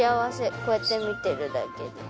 こうやって見てるだけで。